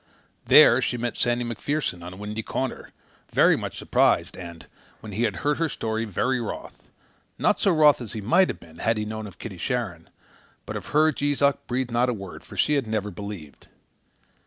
There she met Sandy MacPherson, on a windy corner, very much surprised and, when he had heard her story, very wroth not so wroth as he might have been, had he known of Kitty Sharon; but of her Jees Uck breathed not a word, for she had never believed.